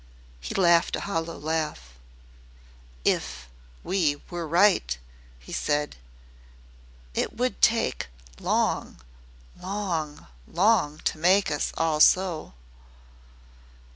He laughed a hollow laugh. "If we were right!" he said. "It would take long long long to make us all so."